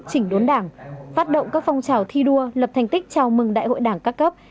chỉnh đốn đảng phát động các phong trào thi đua lập thành tích chào mừng đại hội đảng các cấp